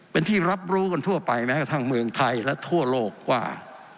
เป็นที่รับรู้กันทั่วไปแม้กระทั่งเมืองไทยและทั่วโลกว่า